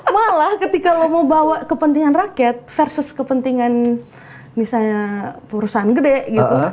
malah ketika lo mau bawa kepentingan rakyat versus kepentingan misalnya perusahaan gede gitu